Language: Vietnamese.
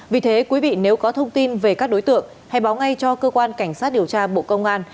vì thế quý vị nếu có thông tin về các đối tượng hãy báo ngay cho cơ quan cảnh sát điều tra bộ công an